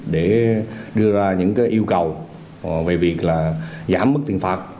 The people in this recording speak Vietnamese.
để đưa ra những yêu cầu về việc là giảm mức tiền phạt